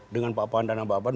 dengan pak pandana bapan